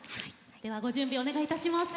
ではご準備をお願いいたします。